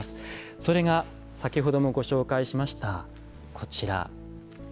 それが先ほどもご紹介しましたこちら。